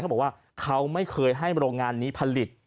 เขาบอกว่าเขาไม่เคยให้โรงงานนี้ผลิต